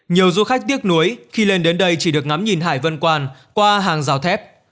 nhiều du khách tiếc nuối khi lên đến đây chỉ được ngắm nhìn hải vân quan qua hàng rào thép